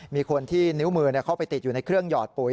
มีคนที่นิ้วมือเข้าไปติดอยู่ในเครื่องหอดปุ๋ย